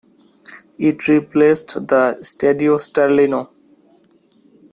It replaced the Stadio Sterlino.